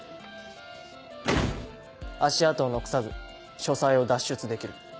足跡を残さず書斎を脱出できる。